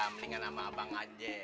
mendingan sama abang aja